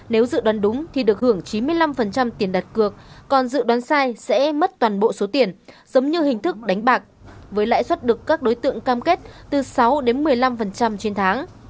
nếu dự đoán đúng thì được hưởng chín mươi năm tiền đặt cược còn dự đoán sai sẽ mất toàn bộ số tiền giống như hình thức đánh bạc với lãi suất được các đối tượng cam kết từ sáu đến một mươi năm trên tháng